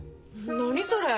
何それ？